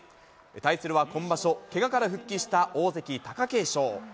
対するは、今場所、けがから復帰した大関・貴景勝。